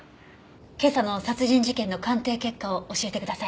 今朝の殺人事件の鑑定結果を教えてください。